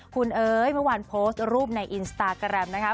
คุณเอ๋ยเมื่อวานโพสต์รูปในอินสตาแกรมนะคะ